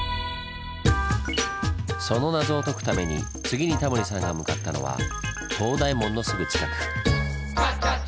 その謎を解くために次にタモリさんが向かったのは東大門のすぐ近く。